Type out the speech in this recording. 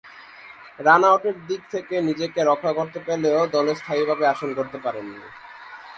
Run আউটের দিক থেকে নিজেকে রক্ষা করতে পেলেও দলে স্থায়ীভাবে আসন গড়তে পারেননি।